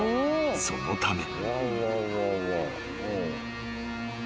［そのため］